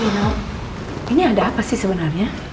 ini ada apa sih sebenarnya